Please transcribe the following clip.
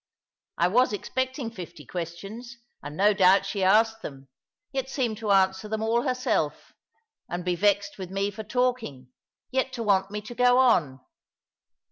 I was expecting fifty questions, and, no doubt, she asked them, yet seemed to answer them all herself, and be vexed with me for talking, yet to want me to go on.